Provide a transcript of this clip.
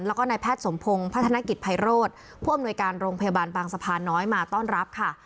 แล้วก็นายแพทย์สมพงศ์พัฒนกิจภัยโรธผู้อำนวยการโรงพยาบาลบางสะพานน้อยมาต้อนรับค่ะ